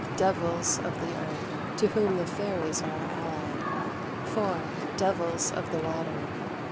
Devils of the earth; to whom the fairies are allied. (4.) Devils of the water.